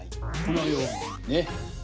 このようにね。